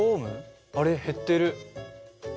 あれ？減ってる。